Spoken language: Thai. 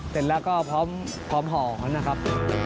เสร็จแล้วก็พร้อมหอมนะครับ